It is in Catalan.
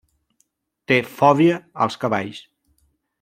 Té fòbia als cavalls.